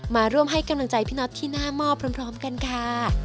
มาร่วมให้กำลังใจพี่น็อตที่หน้าหม้อพร้อมกันค่ะ